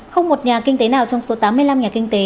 không một nhà kinh tế nào trong số tám mươi năm nhà kinh tế